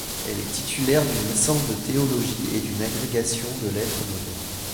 Elle est titulaire d'une licence de théologie et d'une agrégation de lettres modernes.